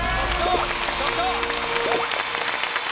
局長！